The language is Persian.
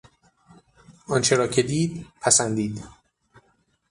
آنچه را که دید، پسندید.